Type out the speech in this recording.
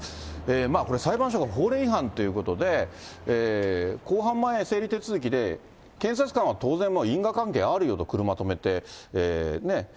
これ、裁判所が法令違反ということで、公判前整理手続きで、検察官は当然、因果関係あるよと、車止めて、ね。